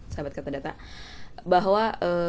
sahabat kata data bahwa